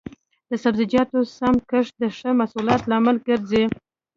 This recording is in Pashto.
د سبزیجاتو سم کښت د ښه محصول لامل ګرځي.